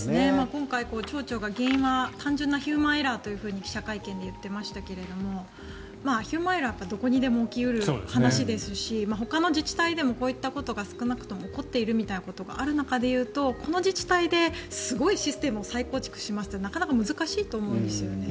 今回、原因は単純なヒューマンエラーと会見で言っていましたがヒューマンエラーはどこにでも起き得る話ですしほかの自治体でも起こっているということがある中でいうとこの自治体ですごいシステムを再構築しますってなかなか難しいと思うんですね。